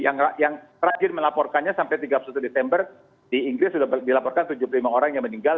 saya bosen cek di yang rajin melaporkannya sampai tiga puluh satu desember di inggris sudah dilaporkan tujuh puluh lima orang yang meninggal